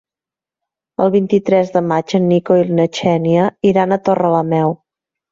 El vint-i-tres de maig en Nico i na Xènia iran a Torrelameu.